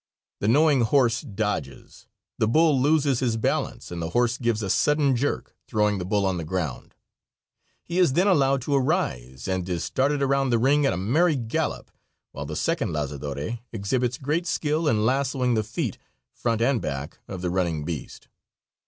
The knowing horse dodges, the bull loses his balance and the horse gives a sudden jerk, throwing the bull on the ground. He is then allowed to arise and is started around the ring at a merry gallop, while the second lazadore exhibits great skill in lassoing the feet, front and back, of the running beast.